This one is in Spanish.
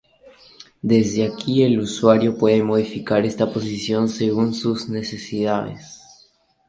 Desde aquí el usuario puede modificar esta posición según sus necesidades.